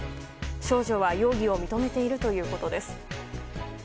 少女は容疑を認めているということです。